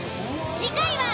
次回は。